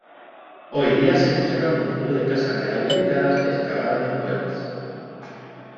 Hoy día se conservan multitud de casas rehabilitadas excavadas en cuevas.